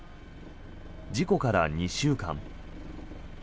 事故から２週間。